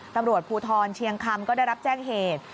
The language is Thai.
ตำรวจภูทรเชียงคำก็ได้รับแจ้งเหตุ